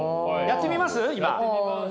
やってみます。